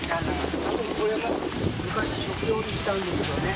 進これも昔食用にしたんですよね。